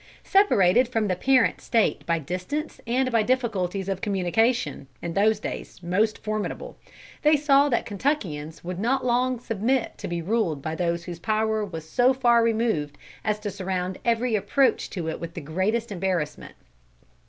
Separated from the parent State by distance and by difficulties of communication, in those days most formidable, they saw that Kentuckians would not long submit to be ruled by those whose power was so far removed as to surround every approach to it with the greatest embarrassment.